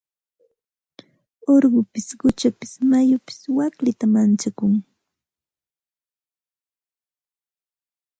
Urqupis quchapis mayupis waklita manchakun.